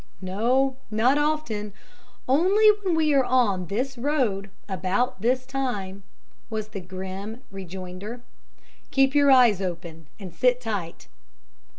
"No, not often, only when we are on this road about this time," was the grim rejoinder. "Keep your eyes open and sit tight."